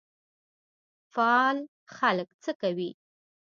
فعال خلک څه کوي؟